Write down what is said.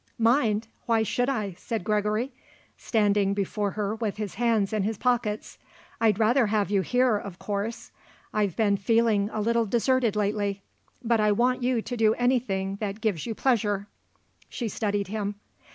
"Mind? Why should I?" said Gregory, standing before her with his hands in his pockets. "I'd rather have you here, of course. I've been feeling a little deserted lately. But I want you to do anything that gives you pleasure." She studied him.